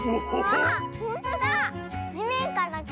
あほんとだ！